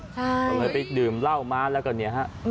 ก็เลยไปดื่มเหล้ามาแล้วก็เนี่ยฮะ